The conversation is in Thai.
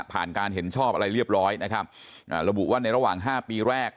การเห็นชอบอะไรเรียบร้อยนะครับอ่าระบุว่าในระหว่างห้าปีแรก